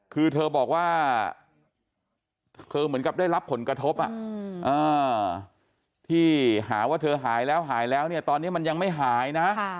คือเธอบอกว่าเธอเหมือนกับได้รับผลกระทบที่หาว่าเธอหายแล้วหายแล้วเนี่ยตอนนี้มันยังไม่หายนะ